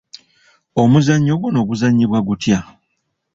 Omuzannyo guno guzannyibwa gutya?